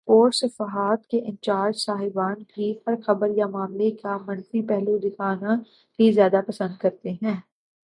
Sports صفحات کے in charge صاحبان بھی ہر خبر یا معاملے کا منفی پہلو دیکھنا ہی زیادہ پسند کرتے ہیں۔